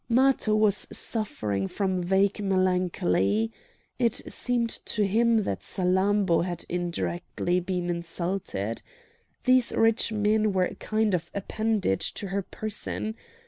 Matho was suffering from vague melancholy. It seemed to him that Salammbô had indirectly been insulted. These rich men were a kind of appendage to her person.